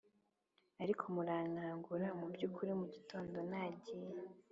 ariko murankangura mubyukuri mugitondo nagiye